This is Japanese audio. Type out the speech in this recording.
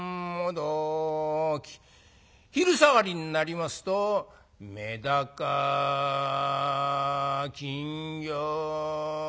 昼下がりになりますと「メダカ金魚」。